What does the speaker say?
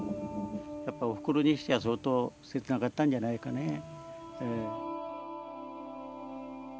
やっぱおふくろにしては相当切なかったんじゃないかねえ。